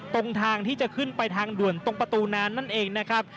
ตรงทางที่จะขึ้นไปทางด่วนตรงประตูน้ำนั่นเองนะครับ